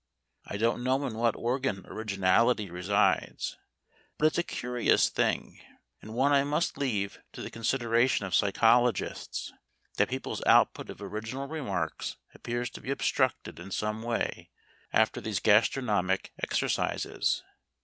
I don't know in what organ originality resides; but it's a curious thing, and one I must leave to the consideration of psychologists, that people's output of original remarks appears to be obstructed in some way after these gastronomic exercises.